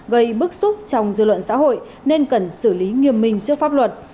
gây bức xúc trong dư luận xã hội nên cần xử lý nghiêm minh trước pháp luật